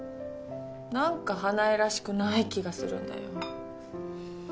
何か花枝らしくない気がするんだよ